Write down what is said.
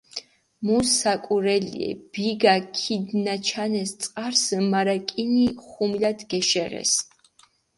მუ საკურელიე, ბიგა ქიდჷნააჩანეს წყარსჷ, მარა კინი ხომულათ გეშეღესჷ.